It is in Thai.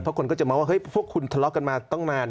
เพราะคนก็จะมองว่าเฮ้ยพวกคุณทะเลาะกันมาตั้งนาน